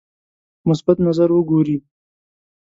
په مثبت نظر وګوري.